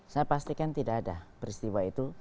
saya pastikan tidak ada peristiwa itu